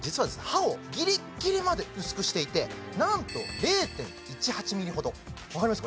刃をギリッギリまで薄くしていてなんと０．１８ｍｍほどわかります？